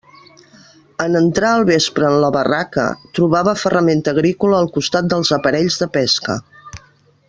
En entrar al vespre en la barraca, trobava ferramenta agrícola al costat dels aparells de pesca.